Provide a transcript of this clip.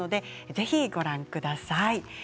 ぜひご覧ください。